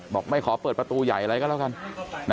บอกไม่ขอเปิดประตูใหญ่อะไรก็แล้วกัน